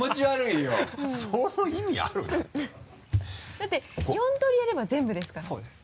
だって４通りやれば全部ですからそうです。